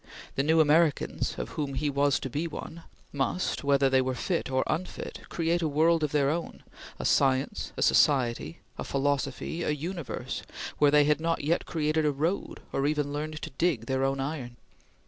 The new Americans, of whom he was to be one, must, whether they were fit or unfit, create a world of their own, a science, a society, a philosophy, a universe, where they had not yet created a road or even learned to dig their own iron.